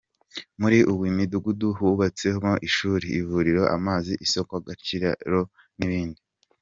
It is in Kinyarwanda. Muri uwi mudugudu hubatsemo ishuri, ivuriro, amazi, isoko, agakiriro n’ibindi.